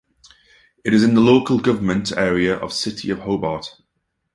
It is in the local government area of City of Hobart.